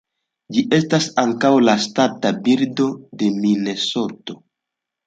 Ĝi estas ankaŭ la ŝtata birdo de Minesoto.